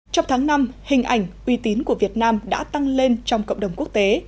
trong tháng năm hình ảnh uy tín của việt nam đã tăng lên trong cộng đồng quốc tế